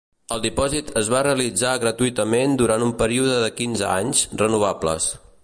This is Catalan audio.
El dipòsit es va realitzar gratuïtament durant un període de quinze anys, renovables.